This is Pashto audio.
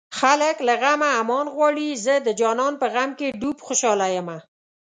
خلک له غمه امان غواړي زه د جانان په غم کې ډوب خوشاله يمه